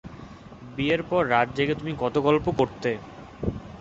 বিয়ের পর রাত জেগে তুমি কত গল্প করতে!